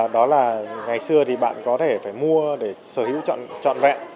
đó là ngày xưa thì bạn có thể phải mua để sở hữu trọn trọn vẹn